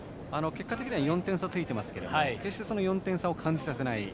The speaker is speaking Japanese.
結果的には４点差ついてますけど決してその４点差を感じさせない